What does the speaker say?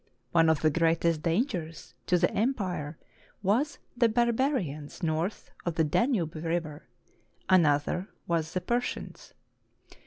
One of the greatest dangers to the empire was the barbarians north of the Danube River; another was the Persians.